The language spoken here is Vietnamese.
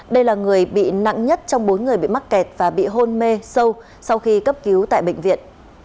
đây là người bị nặng nhất trong bốn người bị mắc kẹt và bị hôn mê sâu sau khi cấp cứu tại bệnh viện